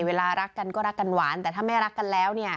เวลารักกันก็รักกันหวานแต่ถ้าไม่รักกันแล้วเนี่ย